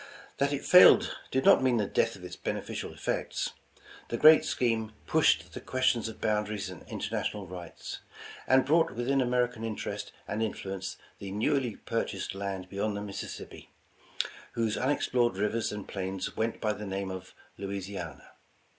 That it failed did not mean the death of its beneficial effects. The great scheme pushed the questions of boundaries and international rights; and brought within American interest and influence the newly purchased land beyond the Mississippi, whose unexplored rivers and plains went by the name of Louisiana.